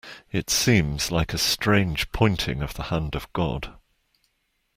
It seems like a strange pointing of the hand of God.